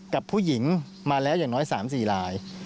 กับผู้หญิงมาแล้วอย่างน้อย๓๔ลาย